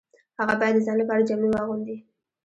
هغه باید د ځان لپاره جامې واغوندي